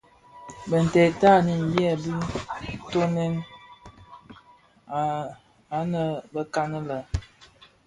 Bintèd tanin byèbi tyonèn anëbekan lè.